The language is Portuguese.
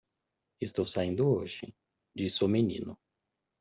"Estou saindo hoje?" disse o menino.